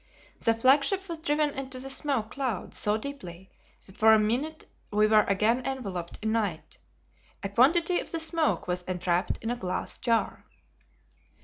The flagship was driven into the smoke cloud so deeply that for a minute we were again enveloped in night. A quantity of the smoke was entrapped in a glass jar.